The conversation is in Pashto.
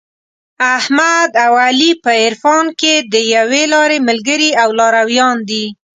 احمد او علي په عرفان کې د یوې لارې ملګري او لارویان دي.